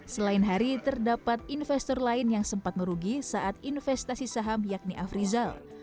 selain hari terdapat investor lain yang sempat merugi saat investasi saham yakni afrizal